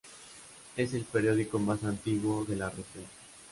Es el periódico más antiguo de la región.